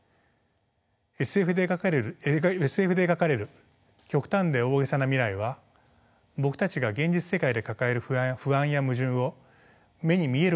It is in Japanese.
ＳＦで描かれる極端で大げさな未来は僕たちが現実世界で抱える不安や矛盾を目に見える形に置き換えたものです。